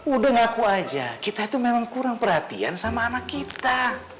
udah ngaku aja kita itu memang kurang perhatian sama anak kita